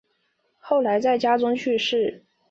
后来在家中去世。